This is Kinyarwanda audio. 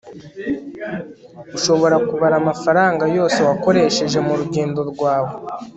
urashobora kubara amafaranga yose wakoresheje murugendo rwawe